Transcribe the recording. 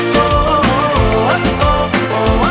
kuningan tetetet jemala